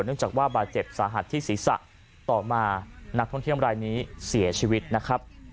จากว่าบาดเจ็บสาหัสที่ศีรษะต่อมานักท่องเที่ยวรายนี้เสียชีวิตนะครับ